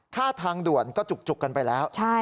ทางด่วนก็จุกกันไปแล้ว